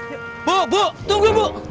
ih aku bona ke translatornya